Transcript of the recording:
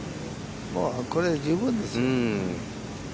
これで十分ですよ。